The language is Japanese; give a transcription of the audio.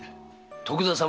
徳田様。